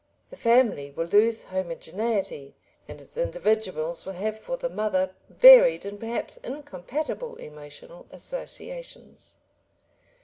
The family will lose homogeneity, and its individuals will have for the mother varied and perhaps incompatible emotional associations.